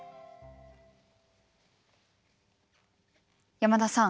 山田さん